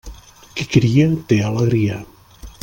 Qui cria, té alegria.